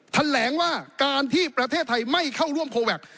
แถลงว่าการที่ประเทศไทยไม่เข้าร่วมโคแวค